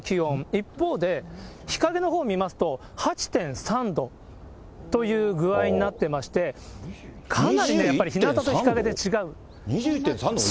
一方で、日陰のほうを見ますと８．３度という具合になってまして、かなりやっぱりね、２１．３度もいく？